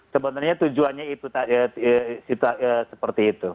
sebenarnya tujuannya itu seperti itu